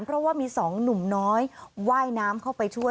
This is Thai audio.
เพราะว่ามี๒หนุ่มน้อยว่ายน้ำเข้าไปช่วย